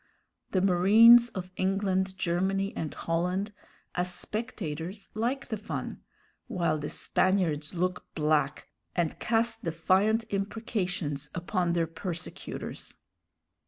The marines of England, Germany, and Holland, as spectators, like the fun, while the Spaniards look black and cast defiant imprecations upon their persecutors.